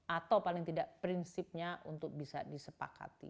atau paling tidak prinsipnya untuk bisa disepakati